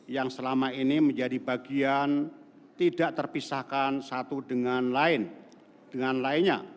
yang selama ini menjadi bagian tidak terpisahkan satu dengan lain dengan lainnya